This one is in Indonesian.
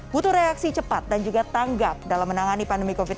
butuh reaksi cepat dan juga tanggap dalam menangani pandemi covid sembilan belas